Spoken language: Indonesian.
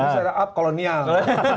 set up kolonial